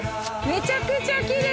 めちゃくちゃ奇麗！